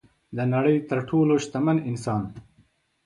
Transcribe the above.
د نړۍ تر ټولو شتمن انسان